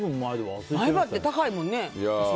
前歯って高いよね。